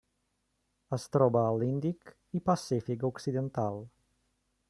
Es troba a l'Índic i Pacífic occidental.